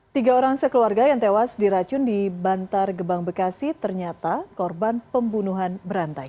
tiga orang sekeluarga yang tewas diracun di bantar gebang bekasi ternyata korban pembunuhan berantai